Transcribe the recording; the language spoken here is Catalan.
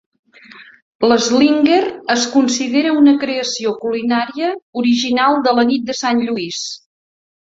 L'"slinger" es considera una creació culinària original de la nit de Sant Lluís.